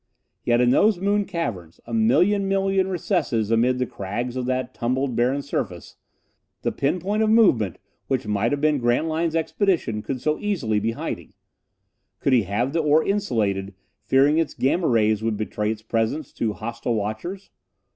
Yet in those moon caverns a million million recesses amid the crags of that tumbled, barren surface the pin point of movement which might have been Grantline's expedition could so easily be hiding! Could he have the ore insulated, fearing its Gamma rays would betray its presence to hostile watchers?